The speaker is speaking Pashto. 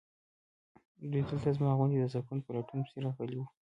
دوی دلته زما غوندې د سکون په لټون پسې راغلي وي.